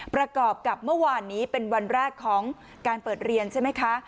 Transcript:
ประกอบกับเมื่อวานนี้เป็นวันแรกของการเปิดเรียนใช่ไหมคะ